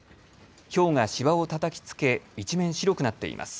ひょうが芝をたたきつけ一面、白くなっています。